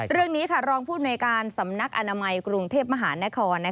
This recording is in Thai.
เรื่องนี้รองภูมิในการสำนักอนามัยกรุงเทพมหานคร